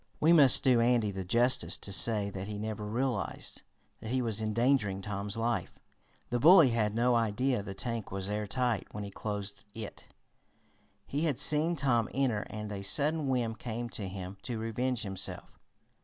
We must do Andy the justice to say that he never realized that he was endangering Tom's life. The bully had no idea the tank was airtight when he closed it. He had seen Tom enter and a sudden whim came to him to revenge himself.